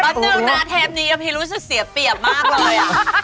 ตอนนึงหน้าเทปนี้อัพพี่รู้สึกเสียเปรียบมากเลย